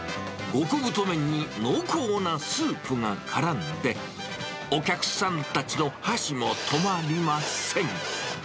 極太麺に濃厚なスープがからんで、お客さんたちの箸も止まりません。